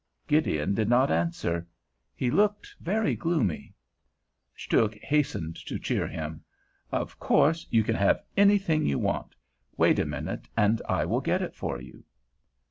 Gideon did not answer; he looked very gloomy. Stuhk hastened to cheer him. "Of course you can have anything you want. Wait a minute, and I will get it for you.